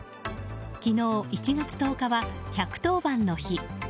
昨日１月１０日には１１０番の日。